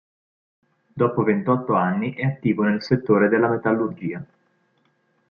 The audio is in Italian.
Dopo ventotto anni è attivo nel settore della metallurgia.